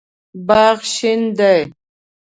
باغ شین دی